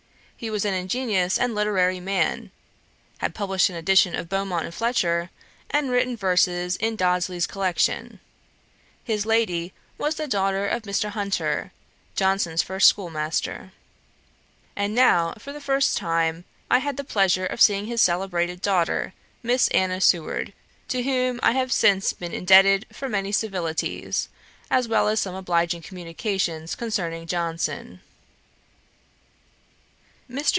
He was an ingenious and literary man, had published an edition of Beaumont and Fletcher, and written verses in Dodsley's collection. His lady was the daughter of Mr. Hunter, Johnson's first schoolmaster. And now, for the first time, I had the pleasure of seeing his celebrated daughter, Miss Anna Seward, to whom I have since been indebted for many civilities, as well as some obliging communications concerning Johnson. Mr.